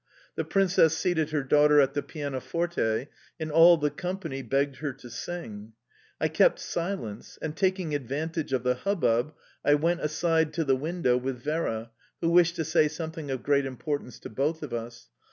The Princess seated her daughter at the pianoforte, and all the company begged her to sing. I kept silence, and, taking advantage of the hubbub, I went aside to the window with Vera, who wished to say something of great importance to both of us...